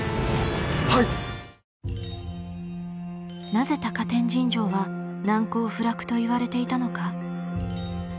なぜ高天神城は難攻不落といわれていたのか。